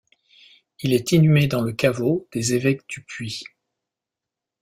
Il est inhumé dans le caveau des évêques du Puy.